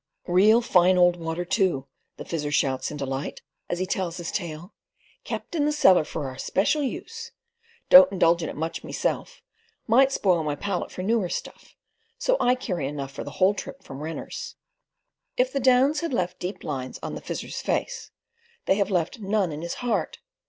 "Real fine old water too," the Fizzer shouts in delight, as he tells his tale. "Kept in the cellar for our special use. Don't indulge in it much myself. Might spoil my palate for newer stuff, so I carry enough for the whole trip from Renner's." If the Downs have left deep lines on the Fizzer's face, they have left none in his heart.